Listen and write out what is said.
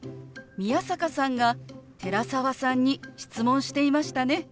宮坂さんが寺澤さんに質問していましたね。